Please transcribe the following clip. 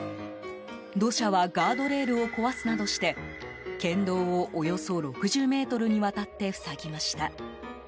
土砂はガードレールを壊すなどして県道をおよそ６０ｍにわたって塞ぎました。